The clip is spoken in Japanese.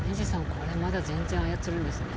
これまだ全然操るんですね。